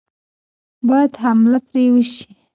باید حمله پرې وشي.